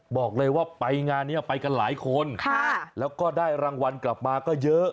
บอกเลยว่าไปงานนี้ไปกันหลายคนแล้วก็ได้รางวัลกลับมาก็เยอะ